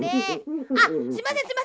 あっすいませんすいません。